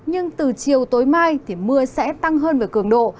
nhưng từ chiều tối mai thì mưa sẽ tăng hơn về cường độ